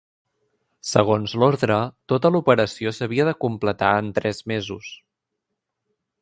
Segons l'ordre, tota l'operació s'havia de completar en tres mesos.